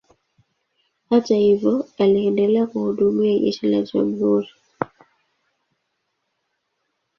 Hata hivyo, aliendelea kuhudumia jeshi la jamhuri.